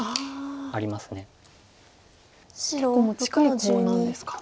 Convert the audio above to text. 結構近いコウなんですか。